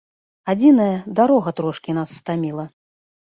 Адзінае, дарога трошкі нас стаміла.